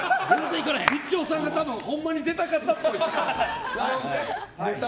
みちおさんがほんまに出たかったっぽい。